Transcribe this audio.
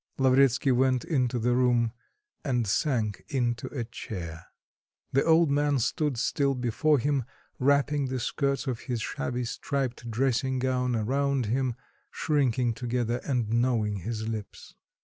Lavretsky went into the room and sank into a chair. The old man stood still before him, wrapping the skirts of his shabby striped dressing gown around him, shrinking together and gnawing his lips.